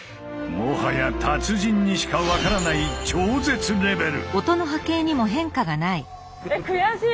もはや達人にしか分からないだって